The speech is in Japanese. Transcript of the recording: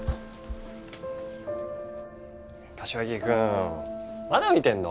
柏木君まだ見てんの？